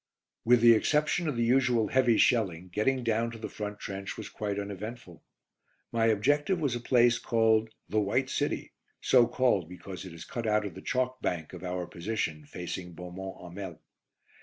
With the exception of the usual heavy shelling, getting down to the front trench was quite uneventful. My objective was a place called "The White City," so called because it is cut out of the chalk bank of our position facing Beaumont Hamel.